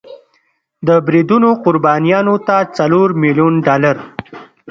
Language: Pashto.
د بریدونو قربانیانو ته څلور میلیون ډالر